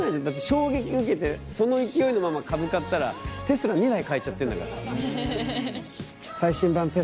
衝撃受けてその勢いのまま株買ったらテスラ２台買えちゃってんだから。